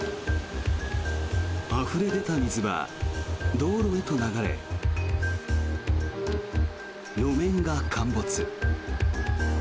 あふれ出た水は道路へと流れ路面が陥没。